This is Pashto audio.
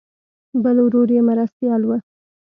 بل ورور یې مرستیال و.